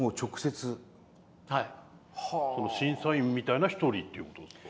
審査員みたいな一人っていうことですか？